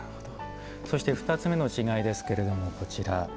そして、２つ目の違いですけれどもこちら。